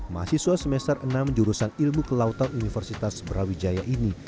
mahasiswa semester enam jurusan ilmu kelautan universitas brawijaya ini